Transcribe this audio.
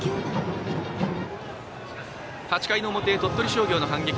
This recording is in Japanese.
８回の表、鳥取商業の反撃。